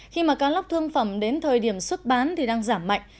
khi mà cá lóc thương phẩm đến thời điểm xuất bán thì đang giảm mạnh